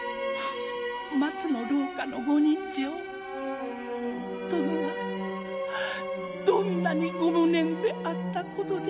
松の廊下の御刃傷殿はどんなにご無念であった事でしょう。